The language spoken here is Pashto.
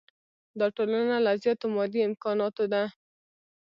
دا ټولنه له زیاتو مادي امکاناتو ده.